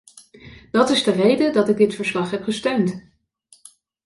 Dat is de reden dat ik dit verslag heb gesteund.